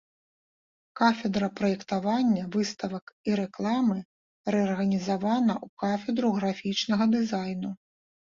Кафедра праектавання выставак і рэкламы рэарганізавана ў кафедру графічнага дызайну.